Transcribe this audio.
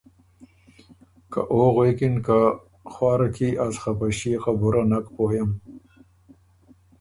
که او غوېکِن که ”خوارَکي ـــ از خه په ݭيې خبُره نک پوئم